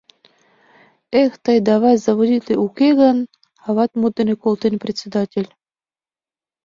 «Эй, тый, давай, заводитле, уке гын...», — ават мут дене колтен председатель.